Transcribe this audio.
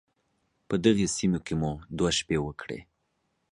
په دغې سيمې کې مو دوه شپې وکړې.